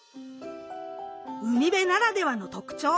海辺ならではの特徴